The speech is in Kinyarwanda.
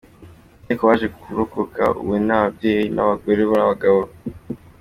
Ariko baje kurokoka, ubu ni ababyeyi b’abagore n’abagabo.